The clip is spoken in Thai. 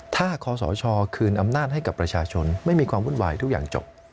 ถ้าคศคืนอำนาจให้กับประชาชนไม่มีความวุ่นวายทุกอย่างจบ